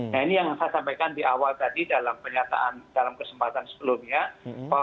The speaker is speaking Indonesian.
nah ini yang saya sampaikan di awal tadi dalam penyataan dalam kesempatan sebelumnya